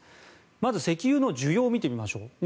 まず石油の需要を見てみましょう。